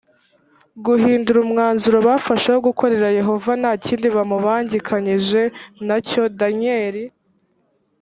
guhindura umwanzuro bafashe wo gukorera yehova nta kindi bamubangikanyije na cyo daniyeli